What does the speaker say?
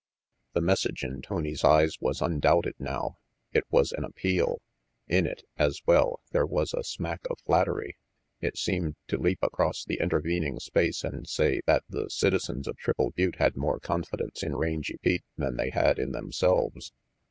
The message in Tony's eyes was undoubted now. It was an appeal. In it, as well, there was a smack of flattery. It seemed to leap across the intervening space and say that the citizens of Triple Butte had more confidence in Rangy Pete than they had in themselves.